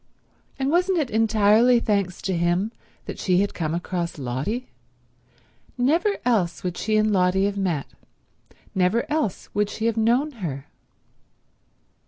And wasn't it entirely thanks to him that she had come across Lotty? Never else would she and Lotty have met; never else would she have known her.